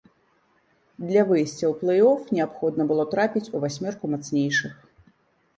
Для выйсця ў плэй-оф неабходна было трапіць у васьмёрку мацнейшых.